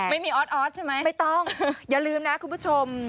ออสออสใช่ไหมไม่ต้องอย่าลืมนะคุณผู้ชม